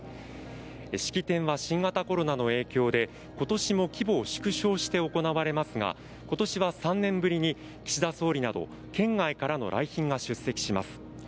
式典は新型コロナの影響で今年も規模を縮小して行われますが今年は３年ぶりに岸田総理など県外からの来賓が出席します。